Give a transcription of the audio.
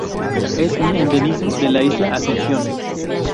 Es un endemismo de la Isla Ascensión.